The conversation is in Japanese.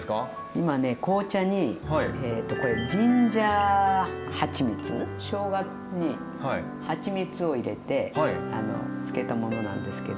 今ね紅茶にこれしょうがにはちみつを入れて漬けたものなんですけど。